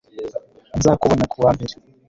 nzakubona kuwa mbere